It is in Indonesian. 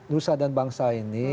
nusa dan bangsa ini